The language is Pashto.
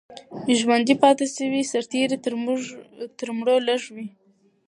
ژوندي پاتې سوي سرتیري تر مړو لږ وو.